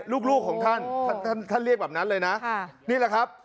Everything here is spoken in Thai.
ลูกของท่านท่านเรียกแบบนั้นเลยนะนี่แหละครับ